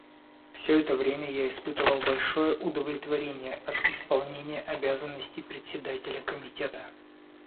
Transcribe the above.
Все это время я испытывал большое удовлетворение от исполнения обязанностей Председателя Комитета.